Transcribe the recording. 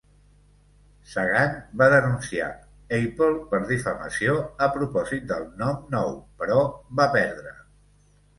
Sagan va denunciar Apple per difamació a propòsit del nom nou, però va perdre.